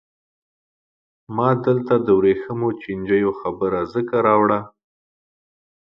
ما دلته د ورېښمو چینجیو خبره ځکه راوړه.